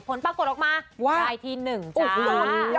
ผลปรากฎลงมา๔ที๑จ้า